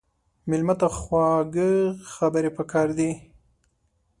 مېلمه ته خواږه خبرې پکار دي.